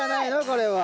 これは。